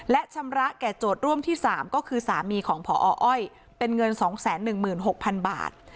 และชำระแก่โจทย์ร่วมที่๓ก็คือสามีของพออ้อยเป็นเงิน๒๑๖๐๐๐บาท